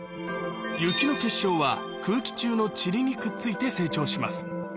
雪の結晶は空気中のちりにくっついて成長します。